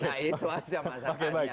nah itu saja masalahnya